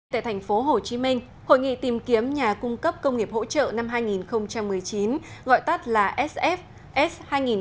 tại thành phố hồ chí minh hội nghị tìm kiếm nhà cung cấp công nghiệp hỗ trợ năm hai nghìn một mươi chín gọi tắt là sf s hai nghìn một mươi chín